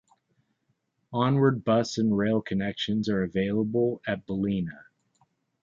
Onward bus and rail connections are available at Ballina.